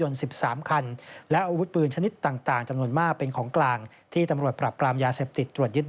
เงินสดจำนวน๙๓ล้านบาทยาบ้ากว่า๑๗๐๐๐๐เมตร